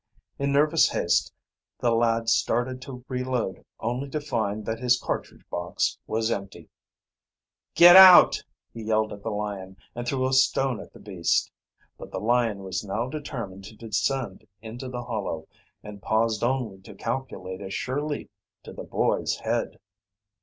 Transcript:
In nervous haste the lad started to re load only to find that his cartridge box was empty. "Get out!" he yelled at the lion, and threw a stone at the beast. But the lion was now determined to descend into the hollow, and paused only to calculate a sure leap to the boy's head.